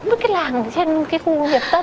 không biết cái làng trên cái khu nhiệt tân